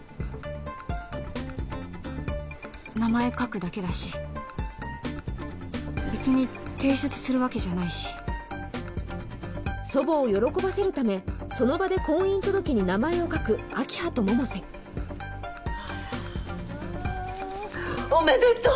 名前書くだけだしべつに提出するわけじゃないし祖母を喜ばせるためその場で婚姻届に名前を書く明葉と百瀬あらあおめでとう！